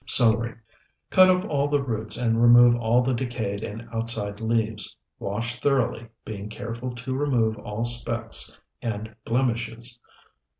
CELERY Cut off all the roots and remove all the decayed and outside leaves. Wash thoroughly, being careful to remove all specks and blemishes.